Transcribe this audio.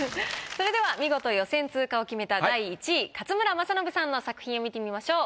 それでは見事予選通過を決めた第１位勝村政信さんの作品を見てみましょう。